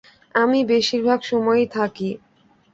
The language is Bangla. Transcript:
আমি বেশির ভাগ সময়ই থাকি।